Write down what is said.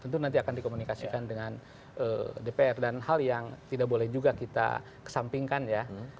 tentu nanti akan dikomunikasikan dengan dpr dan hal yang tidak boleh juga kita kesampingkan ya